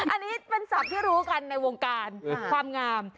อันนี้เป็นศัพท์ที่รู้กันในวงการความงาม